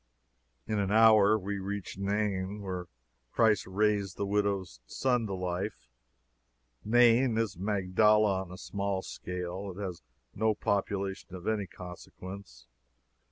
In an hour, we reached Nain, where Christ raised the widow's son to life. Nain is Magdala on a small scale. It has no population of any consequence.